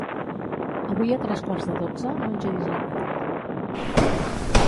Avui a tres quarts de dotze no engeguis la ràdio.